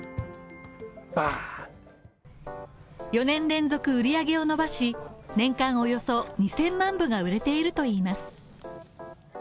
４年連続売り上げを伸ばし、年間およそ２０００万部が売れているといいます。